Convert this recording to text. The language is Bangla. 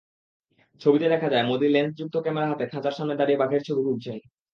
ছবিতে দেখা যায়, মোদি লেন্সযুক্ত ক্যামেরা হাতে খাঁচার সামনে দাঁড়িয়ে বাঘের ছবি তুলছেন।